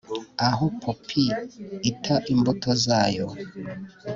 aho poppy ita imbuto zayo